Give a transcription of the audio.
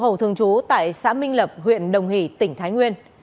hậu thường trú tại xã minh lập huyện đồng hỷ tỉnh thái nguyên